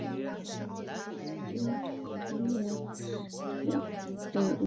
此外这段期间他又安排菲律宾图书馆学会成为国际图书馆协会联盟的会员国。